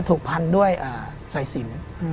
ถูกพันธุ์ด้วยไสสิน